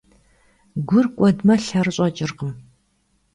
Гур кӀуэдмэ, лъэр щӀэкӀыркъым.